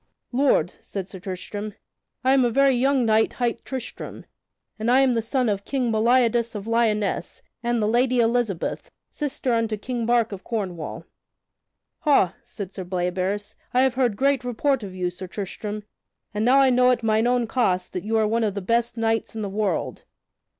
"Lord," said Sir Tristram, "I am a very young knight hight Tristram, and I am the son of King Meliadus of Lyonesse and the Lady Elizabeth, sister unto King Mark of Cornwall." [Sidenote: Sir Bleoberis gives the goblet to Sir Tristram] "Ha," said Sir Bleoberis, "I have heard great report of you, Sir Tristram, and now I know at mine own cost that you are one of the best knights in the world.